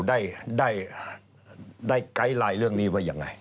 ได้ไกล้เรื่องนี้ว่ายังไง